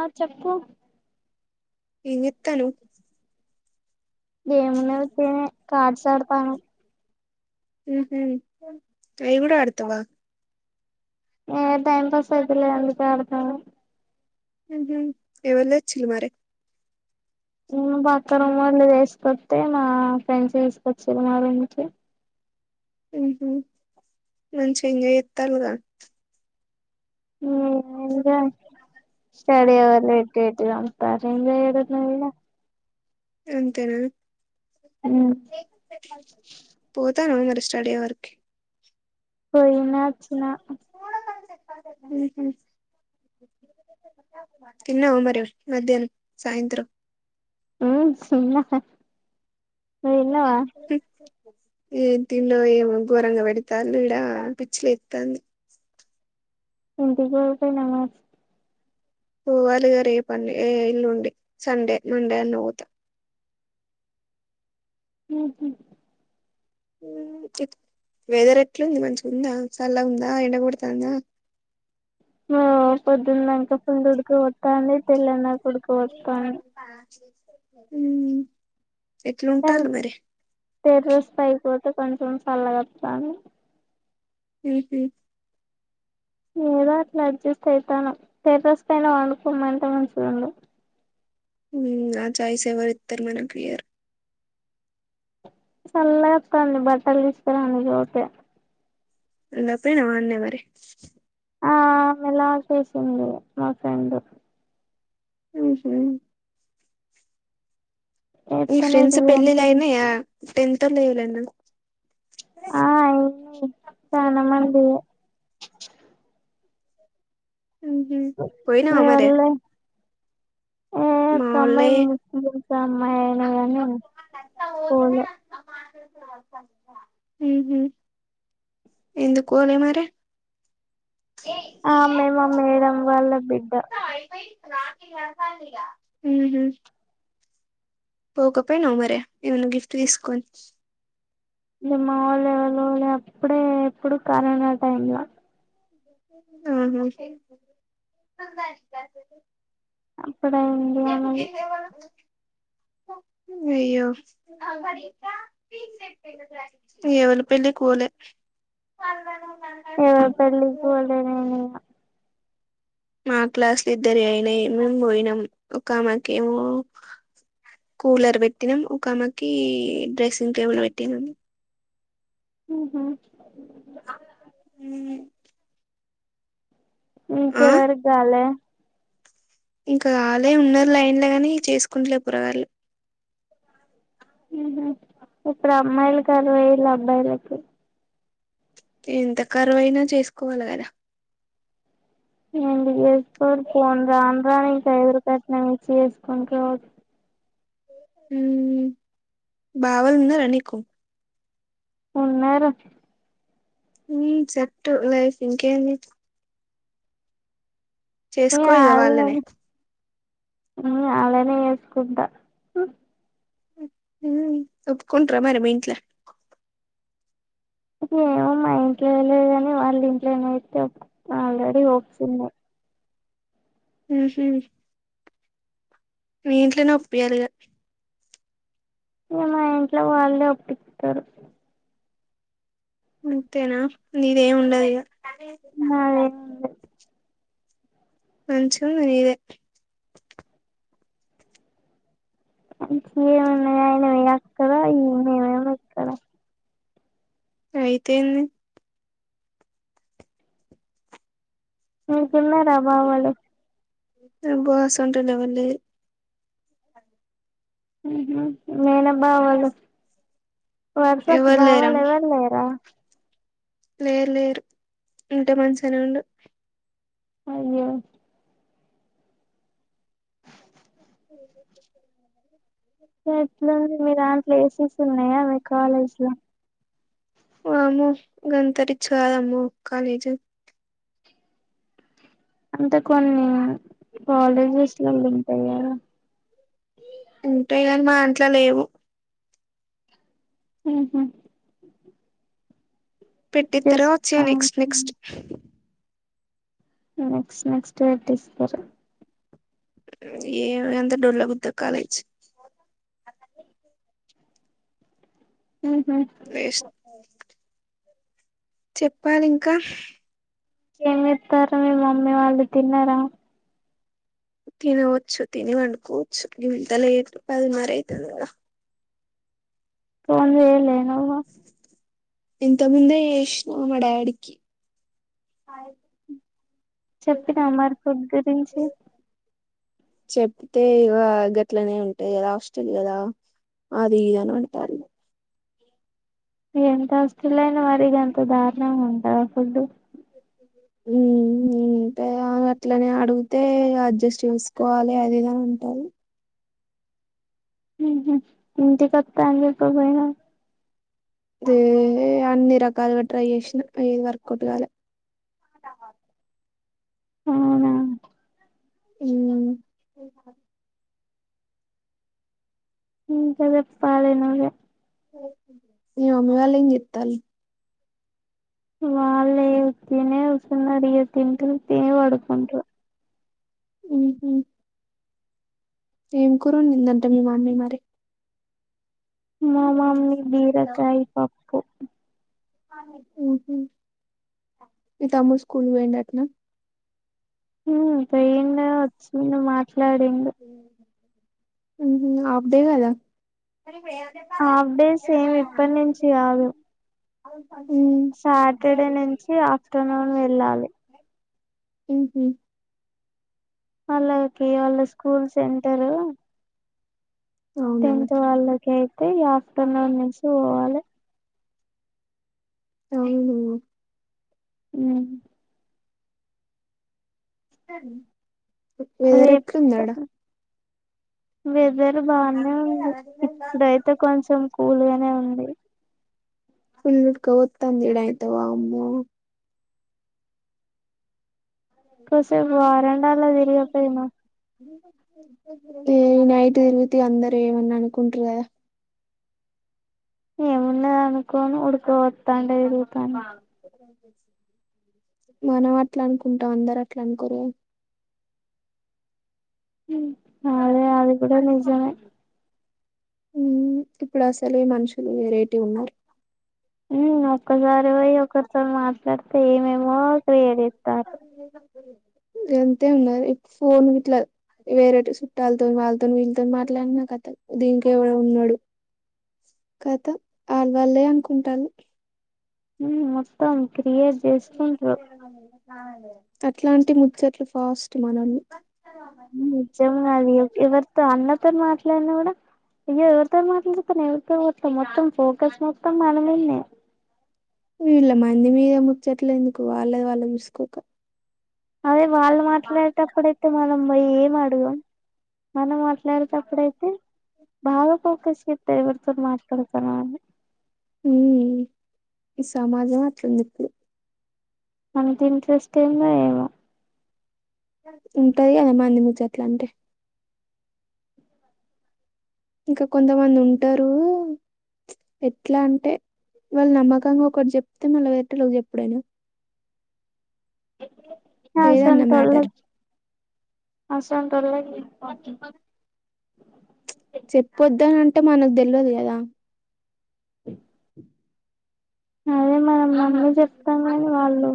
ఆ చెప్పు నువ్వే చెప్పండీ ఏమ్ లేదు పో కార్డ్స్ ఆడతను హు హూ లుడో ఆడతవా ఏ టైం పాస్ అయితలేదు అందుకే ఆడుతున్న హుమ్ ఎవరు తెచ్చిండ్రుమరి మా పక్క రూమ్ వాళ్ళు వేసుకొత్తే మా ఫ్రెండ్స్ తీసుకొచ్చిండ్రు మా రూమ్ కి హుమ్ మంచిగా ఎంజాయ్ చేత్తరు కదా హుమ్ఎంజాయ్ స్టడీ అవర్ పెట్టి చంపుతున్నారు ఎంజాయ్ ఏడున్నది ఈడ అంతేనా ఉమ్ పో అత్తరు అందరూ స్టడీ ఆవర్ కి పోయిన అచ్చినా హుమ్ హు తిన్నావా మరి మధ్యానం సాయంత్రం ఉమ్ తిన్న ఉ నువ్వు తిన్నవా ఏం తిండో ఏమో గోరంగా పెడతారు ఈడ పిచ్చి లేస్తుంది ఇంటికి వెళ్ళిపోయావా పోవాలిగ రేపు ఏ ఎల్లుండి సండే మండే అన్న పోతా హమ్ వెదర్ ఎట్లుంది మంచిగా ఉందా చల్లగా ఉందా ఎండ కొడుతుందా హమ్ పొద్దుందాక ఉడక పోతాంది తెల్లిందాకా ఉడుక పోతుంది హుమ్ హమ్ తెరాస పైకి పోత కొంచెం చల్లగా వస్తోంది హమ్ మ్మ ఏదో అట్లా అడ్జిస్ట్ అవుతున్నాం టెర్రర్స్వా పైన పడుకోమంటే మంచిండు హమ్ ఆ ఛాయస్ ఎవరిస్తారు మనకు చల్లగా వస్తుంది బట్టలు తీసుకురాను పోతే ఉండ పేను మరి అనే ఆ ఆమె ఎలా చేసింది మా ఫ్రెండ్ హమ్ మీ ఎట్లనే ఫ్రెండ్స్ పెళ్లిళ్లు అంటది అయినా టెన్త్ ఇద్దరినీ పిలవన్న ఆ ఏమైంది ఇప్పుడే స్నానం అయింది ఉహు పోయినవా మరే నీవల్లే ఊ ఒక అమ్మాయి మావోళ్ళయి మోసం చేసింది అమ్మాయి నా కానీ పోలే ఊహూ ఎందుకు పోలే మరి ఆమె మా మేడం వాళ్ళ బిడ్డ ఊహూ పోకపోయినావు మరే ఏమన్న గిఫ్ట్ తీసుకొని ఇ మావాళ్ళ ఎవళ్ళల్ల అప్పుడే ఎప్పుడు కరోనా టైమ్ లో ఊహూ అప్పుడే అయింది వాళ్ళది అయ్యో ఏవలి పెళ్లికి ఓలే ఎవరి పెళ్లికి పోలే నేనింగా మా క్లాస్ లొ ఇద్దరి అయినై మేం పోయినాం ఒక ఆమెకెమో కూలర్ పెట్టినం ఒక ఆమెకి డ్రెస్సింగ్ టేబుల్ పెట్టినం ఊహూ మ్ ఇంకెవరికి కాలే ఇంకా ఆల్లే ఉన్నారు లైన్లో గాని చేసుకుంటలే పొరగాళ్లు ఊహూ ఇప్పుడు అమ్మాయిల కరువైల్లు అబ్బాయిలకి ఎంత కరువైనా చేసుకోవల గద ఏంటి చేసుకోరు ఫోన్ రాన్ రాన్ ఇంక ఎదురు కట్నం ఇ చేసుకుంట్రా ఉమ్ బావలున్నార నీకు ఉన్నారు ఉమ్ సెట్టు లైఫ్ ఇంకేమి చేసుకో ఇగ వాళ్లనే ఊ ఆళ్ళనే చేసుకుంటా ఊ ఊ ఒప్పుకుంటరా మరి మీ ఇంట్ల ఏమో మా ఇంట్లో ఎంలేదు కాని వాళ్ళ ఇంట్లో ఏమైతే ఆల్రెడి హోప్స్ ఉన్నాయ్ మ్ హు మీ ఇంట్లోనే ఒప్పియాలిగా ఇక మా ఇంట్లో వాళ్ళే ఒప్పిత్తరు అంతేనా నీదేం ఉండదు ఇగ సరే ఇంక నాదేముంది [inaudible] మంచిగా ఉంది నీదే హా [inaudible] ఏమున్నాయియని అక్కడ ఇంక నేనేమో ఇక్కడ అయితేన్ది అ [inaudible] ఉన్నర బావోళ్లు అబ్బా సొంత ల్ ఎవరు లేర్ [inaudible] ఉం హు నెనే బావోళ్లు వరుసకి ఎవరు లేరా బావలు ఎవరు లేరా లేరు లేరు ఉంటే మంచిగనే ఉండు అహో ఎట్లాంది మీ దాంట్లో వసెస్ ఉన్నాయా మీ కాలేజీ లో గంతరిచ్చ కాదము కాలేజ్ అంతే కొన్ని కాలేజీ వస్లు అ [unintelligible] అన్ట సినిమా అంట్లా లేవు ఉహు పెట్టిత్తరు జస్ట్ వచ్చెయ్ నెక్స్ట్ నెక్స్ట్ నెక్స్ట్ నెక్స్ట్ వెట్టిస్తారు ఏ అంత డొల్ల గుద్ద కాలేజ్ ఉహు వేస్ట్ చెప్పాలింకా ఏం చేత్తారు మీ మమ్మీ వాళ్ళు తిన్నారా తినవచ్చు తిని వండుకోవచ్చు గింత లేటు పదినర అయితది గద ఫోన్ చెయ్యలే నువ్వు ఇంతక్ ముందే ఏష్ మా మ డాడీకి చెప్పినవ మరి ఫుడ్ గురించి చెప్తే ఇగ గట్లనే ఉంటాయి కదా హస్టల్ గదా అది ఇదని అంటారు ఎంత హస్టల్ అయినా మరి గంత దారుణంగా ఉంటద ఫుడ్డు మ్మ్ మ్మ్ అట్లనే అడుగుతే అడ్జస్ట్ చేసుకోవాలే అదిదని అంటరు మ్మ్ ఇంటికొత్త చెప్పపోయినవ్ దే అన్ని రకాలుగా ట్రై చేసిన ఏది వర్కౌట్ కాలే అవునా మ్మ్ ఇంకా చెప్పాలే నువ్వే మీ మమ్మీ వాళ్ళేం జేత్తాలు వాళ్ళే ఉతిగనే కుసున్నరు ఇగ తింటురు తిని పడుకుంట్రు మ్మ్ హ్మ్ ఏం కురోండిందంట మీ మమ్మీ మరి మా మమ్మీ బీరకాయ్ పప్పు మ్మ్ హు మీ తమ్ముడు స్కూల్కు పోయిండటన మ్మ్ పోయిండా వొచ్చిండు మాట్లాడిండు మ్మ్ హు ఆఫ్ డే గదా మరి ఇప్పుడు ఏం చెప్పాలే హాఫ్ డేస్ ఏమి ఇప్పటి నుంచి కాదు సాటర్డే నుంచి ఆఫ్టర్నూన్ వెళ్ళాలి మ్మ్ హు అలౌకి వాళ్ళ స్కూల్ సెంటరు అవునా టెన్త్ వాళ్ళకి అయితే ఈ ఆఫ్టర్నూన్ నుంచి పోవాలే అవును మ్మ్ స్టడీ రేప్ వేరేట్లుందడ వెదర్ బానే ఉంది ఇప్పుడైతే కొంచం కూల్గానే ఉంది ఫూల్ హుక్కా పోస్తాంది ఈడ అయితే వామ్మో కసేపు వరండాలో తిరిగపోయినా మ్మ్ నైట్ తిరుగుతి అందరు ఏమన్న అనుకుంటారూ కదా ఏముండద అనుకోను ఉడుక పోస్తాంటే చూడు [inaudible] మనం అట్లా అనుకుంటాం అందరు అట్లా అనుకోరూ కదా ము అదే అది కూడా నిజమే మ్మ్ ఇప్పుడు అసలే మనుషులు వెరైటీ ఉన్నారు మ్మ్ ఒక్కసారి పోయి ఒక్కరితో మాట్ల్ డితే ఏమేమో క్రియేట్ చేస్తారు ఎంతే ఉన్నారు ఫోన్ ఇట్లా వేరే చుట్టాలతో వాళ్ళతో వీళ్ళతో మాట్లాడిన కథ దీనికి ఎవడో ఉన్నాడు కదా ఆడవాళ్లే అనుకుంటారు మ్మ్ మొత్తం క్రియేట్ చేసుకుంట్రు [inaudible] అట్లాంటి ముచ్చట్లు ఫాస్ట్ మనల్ని మ్మ్ [unintelligible] తో అన్నతో మాట్లాడినా కూడా అయ్యో ఎవరితో మాట్లాడుతున్నవ్ ఎవరితో మొత్తం ఫోకస్ మొత్తం మనమిద్నే వీళ్ళ మంది మీద ముచ్చట్ల ఎందుకు వాళ్ళది వాళ్ళు చూసుకోక అదే వాళ్ళు మాట్లాడేటప్పుడుయితే మనం పోయి ఏం అడుగం మనం మాట్లాడేటప్పుడుయితే బాగా ఫోకస్ చేత్తాయి ఎవరితో మాట్లాడుతున్నావ్ అని మ్మ్ మ్మ్ ఈ సమాజం అట్లుంది ఇప్పుడు అంత ఇంట్రెస్ట్ ఏందో ఏమో ఉంటది కదా మంది ముచ్చట్లలంటే ఇంకా కొంతమంది ఉంటారు ఎట్లా అంటే వాళ్ళు నమ్మకంగా ఒకటి చెప్తే మళ్ళా వేరేటోళ్ళకి చెప్పుడేనా ఏదన్నా మ్యాటర్ ఆసంటోళ్లక్ అసంటోళ్ళకి [inaudible] [inaudible] చెప్పొద్దనంటే మనకు తెలవదు కదా [inaudible] అదే మనం నమ్మీ చెప్తాం కని వాళ్ళు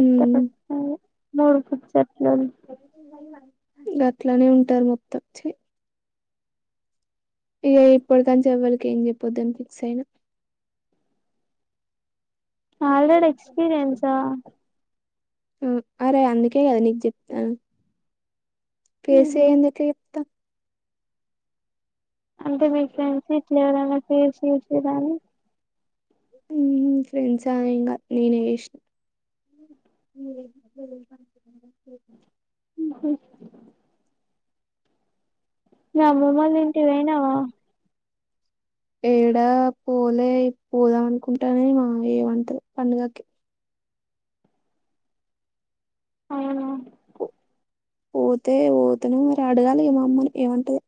ఉమ్ గట్లనే ఉంటారు మొత్తం చ్చి ఇగ ఇప్పుడు తంచేవర్ ఏం చెప్పొద్దని ఫిక్స్ అయినా ఆల్రెడీ ఎక్స్పీరియన్స్ ఆ మ్మ్ అరె అందుకె కదా నీకు చెప్పతా ఫేస్ ఊహు చేయంది ఎట్ల చెప్తా అంటే మీ ఫ్రెండ్స్ ఇట్లా ఎవరైనా ఫేస్ చేసిర్రానీ మ్మహూ ఫ్రెండ్సా ఎమ్ కాద్ నేనే చేశనా మా్ నువ్ అమ్మ వాళ్ళ ఇంటికి పోయినావా ఏడా పోలే పోదాం అనుకుంటాన్న ఈ మామ్మ ఏమంటదో పండుగకి అవునా పోతె పోతెనో మరి అడగాలి ఇగ మా అమ్మని ఏమంటదొ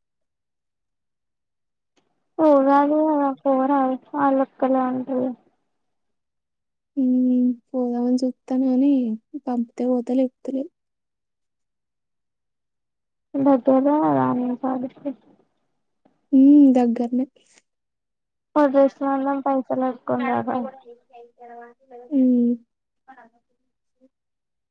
ఉగాది కదా పోరాదు ఆలోకళ్ళే ఉంటరు మ్మ్ పోదమని చూత్తన్న గని పంపితె పోత లేకపోతె లెద్ ఉండొత్తర రాని [unintelligible] మ్మ్ దగ్గరనే పదేశన అన్నం పైసలు అడుకొని రాదా ఊ